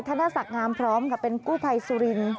ธนศักดิ์งามพร้อมค่ะเป็นกู้ภัยสุรินทร์